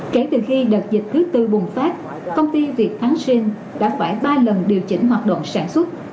kể từ khi đợt dịch thứ tư bùng phát công ty việt thắng sinh đã phải ba lần điều chỉnh hoạt động sản xuất